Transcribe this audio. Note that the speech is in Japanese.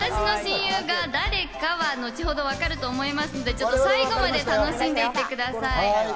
私が誰の親友かは、後ほど分かると思いますので、最後まで楽しんでいってください。